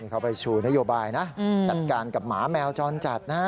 เขาไปชูนโยบายนะจัดการกับหมาแมวจรจัดนะ